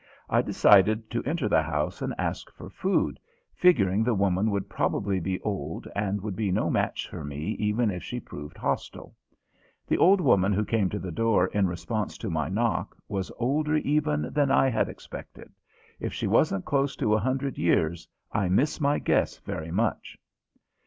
I decided to enter the house and ask for food, figuring the woman would probably be old and would be no match for me even if she proved hostile. The old woman who came to the door in response to my knock was older even than I had expected. If she wasn't close to a hundred years, I miss my guess very much.